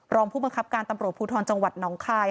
รองผู้บังคับการตำรวจภูทรจังหวัดน้องคาย